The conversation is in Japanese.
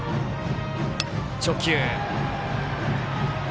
直球。